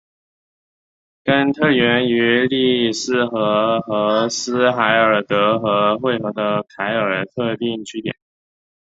根特源于利斯河和斯海尔德河汇合的凯尔特定居点。